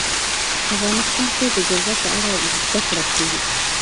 افغانستان کې د جلګه په اړه زده کړه کېږي.